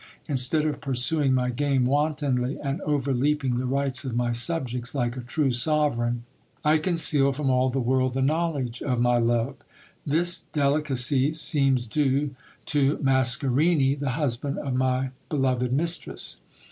Instead of pursuing my game wantonly, and overleaping the rights of my subjects like a true sovereign, I conceal from all the world the knowledge of my love. This 198 GIL BLAS. delicacy seems due to Mascarini, the husband of my beloved mistress.